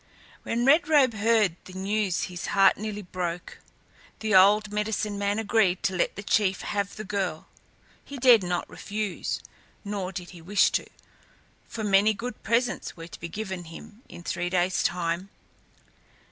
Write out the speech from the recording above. When Red Robe heard the news his heart nearly broke. The old medicine man agreed to let the chief have the girl. He dared not refuse, nor did he wish to, for many good presents were to be given him in three days' time.